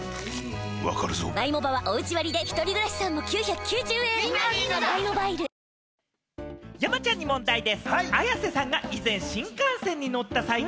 わかるぞ山ちゃんに問題です。